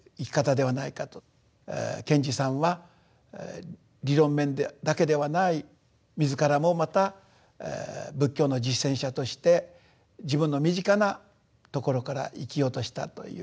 賢治さんは理論面だけではない自らもまた仏教の実践者として自分の身近なところから生きようとしたという。